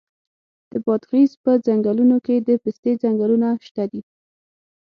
د بادغیس په څنګلونو کې د پستې ځنګلونه شته دي.